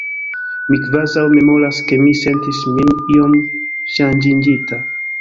Mi kvazaŭ memoras ke mi sentis min iom ŝanĝiĝinta.